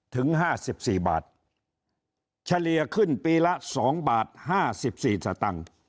ถึงห้าสิบสี่บาทเฉลี่ยขึ้นปีละสองบาทห้าสิบสี่สตังค์